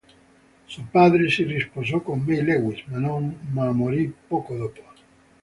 Suo padre si risposò con May Lewis, ma morì poco dopo.